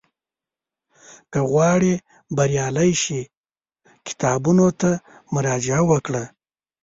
که غواړې بریالی شې، کتابونو ته مراجعه وکړه.